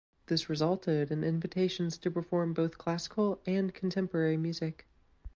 This resulted in invitations to perform both classical and contemporary music.